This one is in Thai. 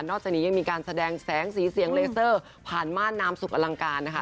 จากนี้ยังมีการแสดงแสงสีเสียงเลเซอร์ผ่านม่านนามสุขอลังการนะคะ